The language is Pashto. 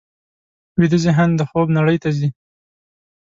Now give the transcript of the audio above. ویده ذهن د خوب نړۍ ته ځي